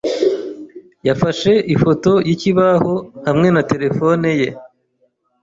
yafashe ifoto yikibaho hamwe na terefone ye.